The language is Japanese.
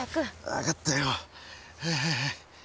分かったよ。